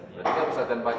jadi apa latihan pagi nih